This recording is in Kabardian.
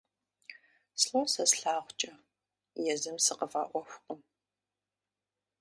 Слӏо сэ слъагъукӏэ, езым сыкъыфӏэӏуэхукъым…